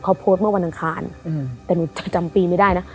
เขาโพสต์เมื่อวันอังคารแต่หนูจำปีไม่ได้นะ